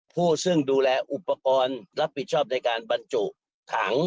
ผู้ซึ่งดูแลอุปกรณ์รับผิดชอบในการบรรจุถัง